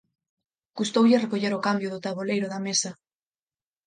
Custoulle recoller o cambio do taboleiro da mesa.